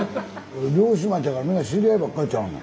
漁師町やからみんな知り合いばっかりちゃうの？